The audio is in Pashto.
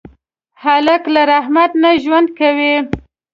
هلک له رحمت نه ژوند کوي.